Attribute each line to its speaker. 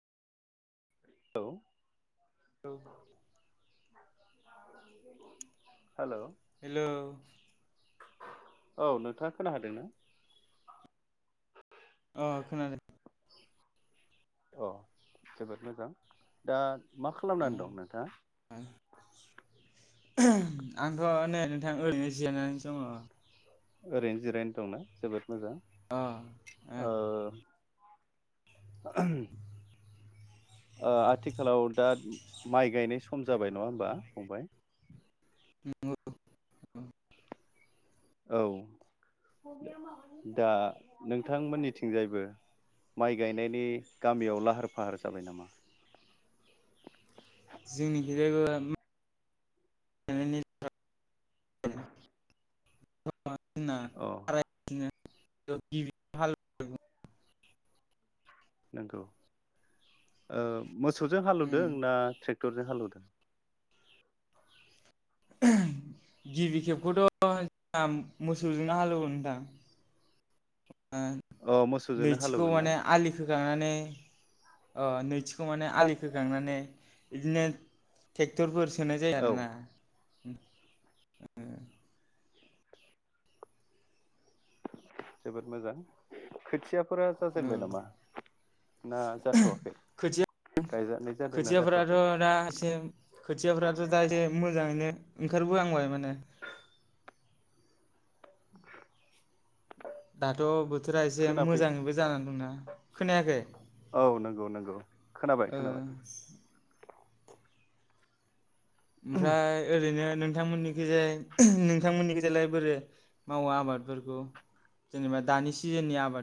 Speaker 1: औ
Speaker 2: औ
Speaker 1: [unintelligible]
Speaker 2: हेलौ
Speaker 1: औ नोंथाङा खोनाहोदोंना?
Speaker 2: ओ खोनादों।
Speaker 1: अ जोबोद मोजां दा। मा
Speaker 2: ओ
Speaker 1: खालामनानै दं नोंथाङा?
Speaker 2: ओ आंथ' नै नोंथां ओरैनो जिरायनानैसो दङ।
Speaker 1: ओरैनो जिरायनो दंना जोबोद मोजां
Speaker 2: ओ
Speaker 1: ओ [unintelligible] ओ आथिखालाव दा माइ गायनाय सम जाबाय नङा होमबा फंबाय।
Speaker 2: नोंगौ
Speaker 1: औ दा नोंथांमोननिथिंजायबो माइ गायनायनि गामियाव लाहार फाहार जाबाय नामा?
Speaker 2: जोंनि [unintelligible]
Speaker 1: अ
Speaker 2: [unintelligible] [unintelligible]
Speaker 1: नंगौ ओ मोसौजों हालौवदों ना ट्रेक्टरजों हालेवदों?
Speaker 2: गिबि खेबखौथ' [unintelligible] मोसौजोंनो हालेवो नोंथां।
Speaker 1: अ
Speaker 2: [unintelligible]
Speaker 1: मोसौजोंनो
Speaker 2: नैथिखौ
Speaker 1: हालौगोन ना
Speaker 2: माने आलि खोखांनानै। ओ नैथिखौ माने आलि खोखांनानै इदिनो ट्रेक्टरफोर सोनाय जायो
Speaker 1: औ
Speaker 2: आरोना उ ओ
Speaker 1: जोबोद मोजां खोथिया।
Speaker 2: ओ
Speaker 1: ना
Speaker 2: [unintelligible]
Speaker 1: जाथ'वाखै
Speaker 2: खोथिया
Speaker 1: गायजानाय जादोंना
Speaker 2: खोथियाफोराथ'
Speaker 1: जाथ'वाखै
Speaker 2: दा एसे खोथियाफोराथ' दा एसे मोजाङैनो ओंखारबोहांबाय माने दाथ' बो थोरा एसे
Speaker 1: खोनाफै
Speaker 2: मोजाङैबो जानानै दंना खोनायाखै?
Speaker 1: औ नोंगौ नोंगौ खोनाबाय
Speaker 2: ओ
Speaker 1: खोनाबाय।
Speaker 2: ओमफ्राय ओरैनो नोंथांमोननिखैजाय नोंथांमोननिखैजालाय बोरो मावो आबादफोरखौ जेनेबा दानि सिजोननि आबाद